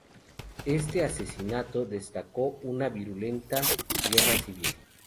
Este asesinato desató una virulenta guerra civil.